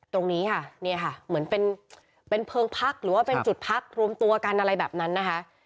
ตรงนี้ค่ะเนี่ยค่ะเหมือนเป็นเพลิงพักหรือว่าเป็นจุดพักรวมตัวกันอะไรแบบนั้นนะคะ